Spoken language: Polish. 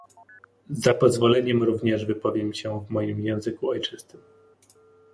Za pozwoleniem również wypowiem się w moim języku ojczystym